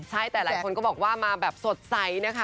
ใช่แต่หลายคนก็บอกว่ามาแบบสดใสนะคะ